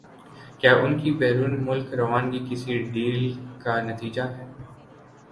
کیا ان کی بیرون ملک روانگی کسی ڈیل کا نتیجہ ہے؟